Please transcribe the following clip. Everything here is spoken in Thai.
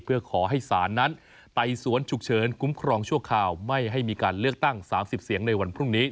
เพื่อขอให้ศาลนั้นไต่สวนฉุกเฉินคุ้มครองชั่วคราวไม่ให้มีการเลือกตั้ง๓๐เสียงในวันพรุ่งนี้